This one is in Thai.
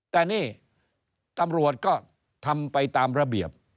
แต่นี่ตำรวจก็ทำไปตามระเบียบ